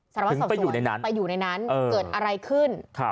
สารวัฒน์สอบสวนไปอยู่ในนั้นเกิดอะไรขึ้น